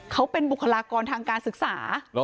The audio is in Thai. เขาเป็นบุคลากรทางการศึกษา